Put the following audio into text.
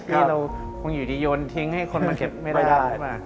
ที่เรายืดีโยนทิ้งให้คนมาเก็บไม่ได้